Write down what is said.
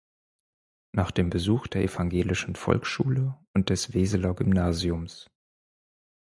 Nach dem Besuch der evangelischen Volksschule und des Weseler Gymnasiums.